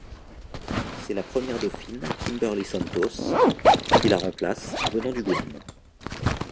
C'est la première dauphine Kimberley Santos qui la remplace, venant du Guam.